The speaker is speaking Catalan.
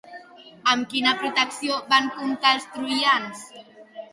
Amb quina protecció van comptar els troians?